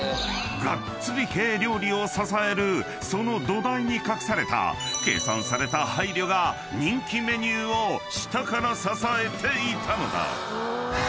［ガッツリ系料理を支えるその土台に隠された計算された配慮が人気メニューを下から支えていたのだ］